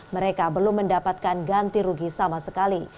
mereka belum mendapatkan ganti rugi sama sekali